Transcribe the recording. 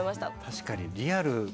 確かにリアル。